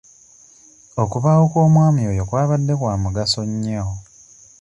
Okubaawo kw'omwami oyo kwabadde kwa mugaso nnyo.